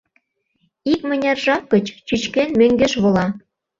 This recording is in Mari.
Икмыняр жап гыч, чӱчкен, мӧҥгеш вола.